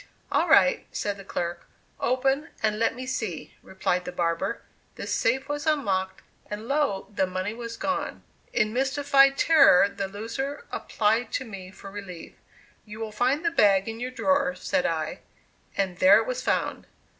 "All right," said the clerk. "Open, and let me see," replied the barber. The safe was unlocked and lo! the money was gone! In mystified terror the loser applied to me for relief. "You will find the bag in your drawer," said I, and there it was found!